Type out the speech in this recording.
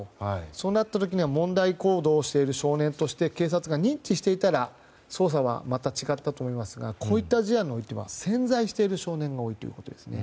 そうなった時には問題行動をしている少年として警察が認知していたら捜査は、また違ったと思いますがこういった事案においては潜在している少年が多いんですね。